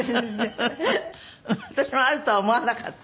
私もあるとは思わなかった。